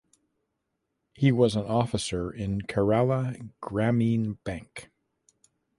He was an officer in Kerala Grameen Bank.